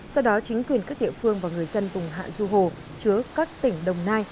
sau đó chính quyền các địa phương và người dân vùng hạ du hồ chứa các tỉnh đồng nai